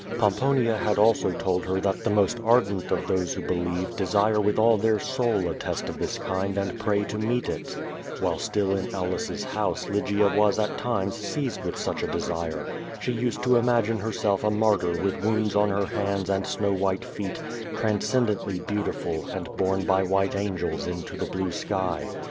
Pomponia had also told her that the most ardent of those who believe desire with all their soul a test of this kind and pray to meet it. While still in Aulus's house Lygia was at times seized with such a desire. She used to imagine herself a martyr with woimds on her hands and snow white feet, transcendently beautiful, and borne by white angels into the blue sky.